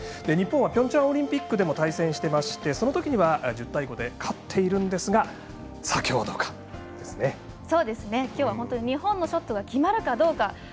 日本はピョンチャンオリンピックでも対戦しておりましてそのときには１０対５で勝っているんですがきょうは本当に日本のショットが決まるかどうか。